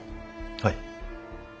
はい。